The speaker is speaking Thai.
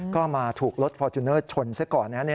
ก็มาถูกรถฟอร์จูเนอร์ชนซะก่อนนะครับ